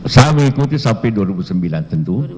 saya mengikuti sampai dua ribu sembilan tentu